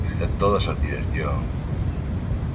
En todas as direccións.